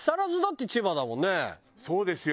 そうですよ。